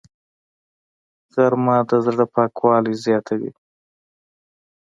غرمه د زړه پاکوالی زیاتوي